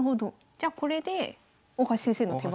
じゃこれで大橋先生の手番。